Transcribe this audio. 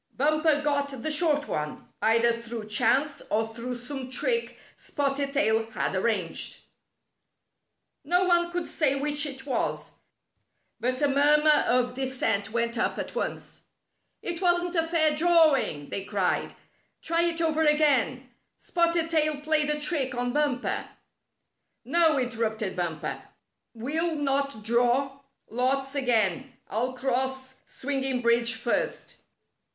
Bumper got the short one, either through chance or through some trick Spotted Tail had arranged. No one could say which it was, but a murmur of dissent went up at once. " It wasn't a fair drawing !" they cried. " Try 48 A Test of Courage it over again. Spotted Tail played a trick on Bumper.'' "No," interrupted Bumper, "we'll not draw lots again. I'll cross Swinging Bridge first."